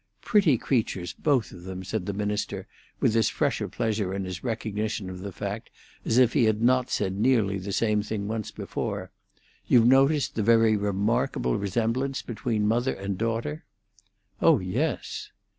"Pretty creatures, both of them," said the minister, with as fresh a pleasure in his recognition of the fact as if he had not said nearly the same thing once before, "You've noticed the very remarkable resemblance between mother and daughter?" "Oh yes."